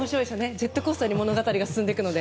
ジェットコースターのように物語が進んでいくので。